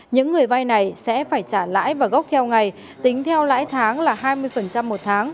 những người vay này sẽ phải trả lãi và gốc theo ngày tính theo lãi tháng là hai mươi một tháng